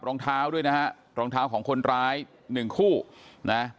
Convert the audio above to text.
รองเท้าด้วยนะฮะรองเท้าของคนร้ายหนึ่งคู่นะ